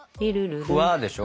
ふわでしょ